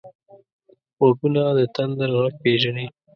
غوږونه د تندر غږ پېژني